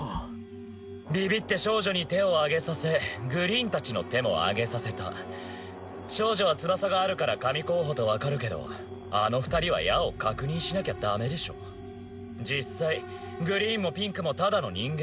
ビビって少女に手を上げさせグリーン達の手も上げさせた少女は翼があるから神候補と分かるけどあの２人は矢を確認しなきゃダメでしょ実際グリーンもピンクもただの人間